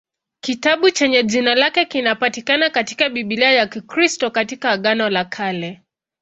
Kitabu chenye jina lake kinapatikana katika Biblia ya Kikristo katika Agano la Kale.